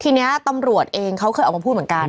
ทีนี้ตำรวจเองเขาเคยออกมาพูดเหมือนกัน